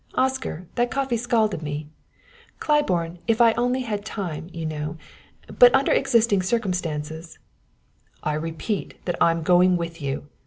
Oscar, that coffee scalded me. Claiborne, if only I had time, you know, but under existing circumstances " "I repeat that I'm going with you.